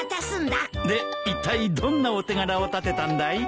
でいったいどんなお手柄を立てたんだい？